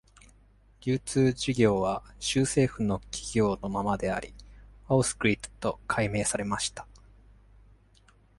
流通事業は州政府の企業のままであり、Ausgrid と改名されました。